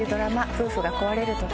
『夫婦が壊れるとき』。